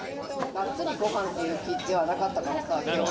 がっつりごはんっていう気分じゃなかったからさ。